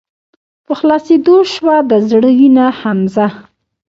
په خلاصيدو شــوه د زړه وينه حمزه